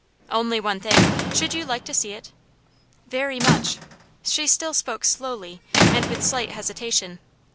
"Only one thing. Should you like to see it?" "Very much." She still spoke slowly, and with slight hesitation.